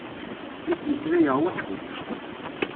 La ttmeslayeɣ weḥd-i.